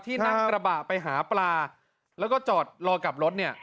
นั่งกระบะไปหาปลาแล้วก็จอดรอกลับรถเนี่ย